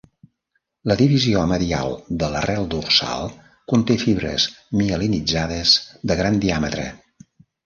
La divisió medial de l'arrel dorsal conté fibres mielinitzades de gran diàmetre.